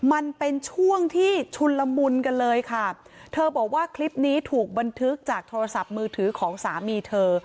มันเป็นช่วงที่ชุนละมุนกันเลยค่ะเธอบอกว่าคลิปนี้ถูกบันทึกจากโทรศัพท์มือถือของสามีเธอ